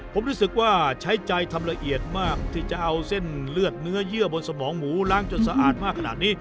ผมรู้สึกว่าใช้ใจทำละเอียดมากที่จะเอาเส้นเลือดเนื้อเยื่อบนสมองหมูล้างจนสะอาดมากขนาดนี้